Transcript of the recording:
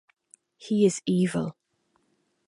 He is evil.